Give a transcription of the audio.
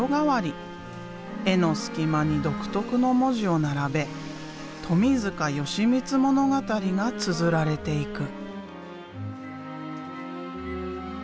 絵の隙間に独特の文字を並べ富純光物語がつづられていく。